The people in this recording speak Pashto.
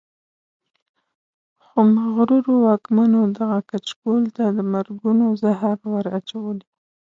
خو مغرورو واکمنو دغه کچکول ته د مرګونو زهر ور اچولي.